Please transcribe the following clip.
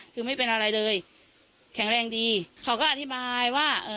คือไม่เป็นอะไรเลยแข็งแรงดีเขาก็อธิบายว่าเอ่อ